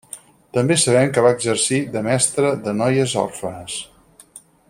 També sabem que va exercir de mestra de noies òrfenes.